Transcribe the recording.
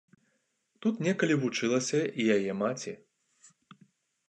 Тут некалі вучылася і яе маці.